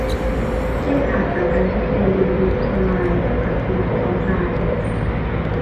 แยกขาดจากกันชัดเจนบนพื้นที่ออนไลน์ เทียบกับพื้นที่ออฟไลน์